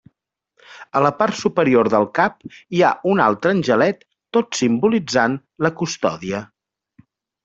A la part superior del cap hi ha un altre angelet tot simbolitzant la custòdia.